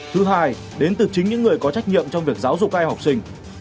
thứ hai đến từ chính những người có trách nhiệm trong việc giáo dục ai học sinh